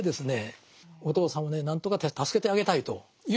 お父さんをね何とか助けてあげたいというような思いでですね